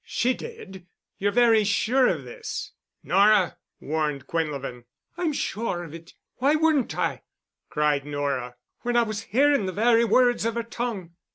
"She did." "You're very sure of this?" "Nora——!" warned Quinlevin. "I'm sure of it. Why wouldn't I——" cried Nora, "when I was hearin' the very words of her tongue."